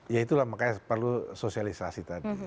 ya itulah makanya perlu sosialisasi tadi